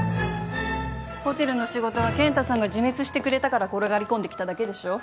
ホテルの仕事は健太さんが自滅してくれたから転がり込んできただけでしょう。